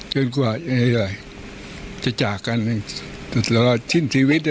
เกินกว่าจะจากกันตลอดชิ้นชีวิตอันนั้น